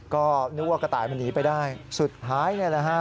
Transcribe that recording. ก็นึกว่ากระต่ายมันหนีไปได้สุดท้ายเนี่ยนะฮะ